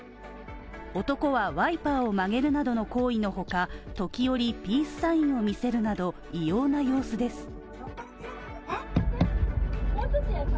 男はワイパーを曲げるなどの行為のほか時折、ピースサインを見せるなど異様な様子です。